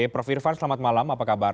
prof irfan selamat malam apa kabar